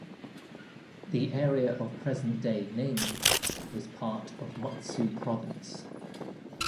The area of present-day Namie was part of Mutsu Province.